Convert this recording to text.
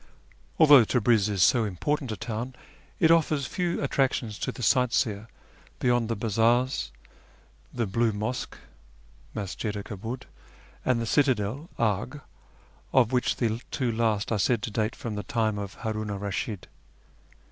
Although Tabriz is so important a town, it offers few attractions to the sight seer beyond the bazaars, the " Blue Mosque " {Masjid i Kabud), and the citadel (Arg), of which the two last are said to date from the time of Haninu 'r Eashid.